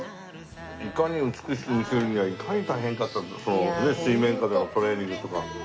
いかに美しく見せるにはいかに大変かその水面下でのトレーニングとか。